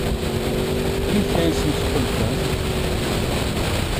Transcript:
Amek i asent-tḥulfamt?